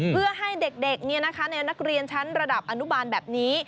เพื่อให้เด็กในนักเรียนชั้นระดับอนุบาลแบบนี้